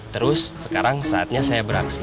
terus sekarang saatnya saya beraksi